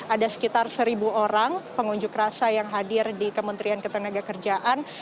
ada sekitar seribu orang pengunjuk rasa yang hadir di kementerian ketenaga kerjaan